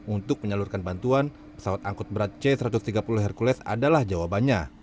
untuk menyalurkan bantuan pesawat angkut berat c satu ratus tiga puluh hercules adalah jawabannya